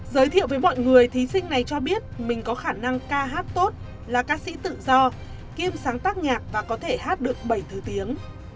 giới thiệu với mọi người thí sinh này cho biết mình có khả năng ca hát tốt là ca sĩ tự do kiêm sáng tác nhạc và có thể hát được bảy thứ tiếng